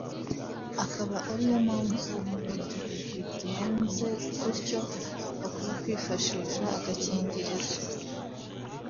Akaba ariyo mpamvu igihe bigenze gutyo bakwiye kwifashisha agakingirizo